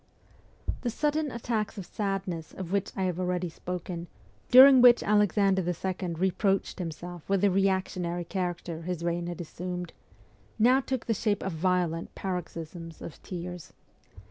The sudden attacks of sadness of which I have already spoken, during which Alexander II. reproached himself with the reactionary character his reign had assumed, now took the shape of violent paroxysms of tears.